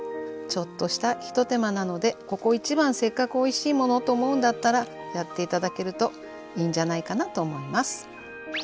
ちょっとした一手間なのでここ一番せっかくおいしいものをと思うんだったらやって頂けるといいんじゃないかなと思います。